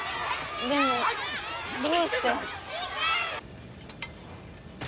でもどうして？